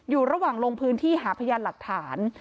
อยู่ระหว่างลงพื้นที่หาพยานหลักฐาน